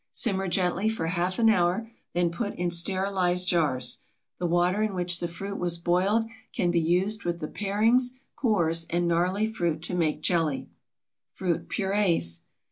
Simmer gently for half an hour, then put in sterilized jars. The water in which the fruit was boiled can be used with the parings, cores, and gnarly fruit to make jelly. FRUIT PURÉES.